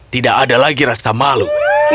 tidak ada lagi rasa malu